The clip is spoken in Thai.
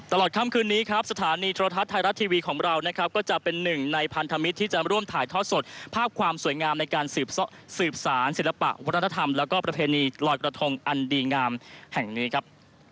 ตลอดค่ำคืนนี้ครับสถานีโทรทัศน์ไทยรัฐทีวีของเรานะครับก็จะเป็นหนึ่งในพันธมิตรที่จะร่วมถ่ายทอดสดภาพความสวยงามในการสืบสารศิลปะวัฒนธรรมแล้วก็ประเพณีลอยกระทงอันดีงามแห่งนี้ครับ